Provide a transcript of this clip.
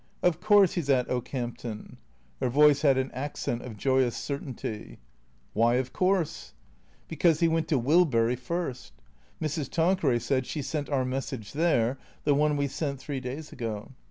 " Of course he 's at Okehampton." Her voice had an accent of joyous certainty. " Why ' of course '?"" Because he went to Wilbury first. Mrs. Tanqueray said she sent our message there — the one we sent three days ago.